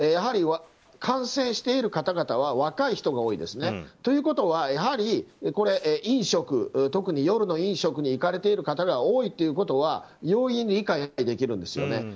感染している方々は若い人が多いですね。ということは、やはり飲食、特に夜の飲食に行かれている方が多いということは容易に理解できるんですよね。